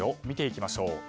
見ていきましょう。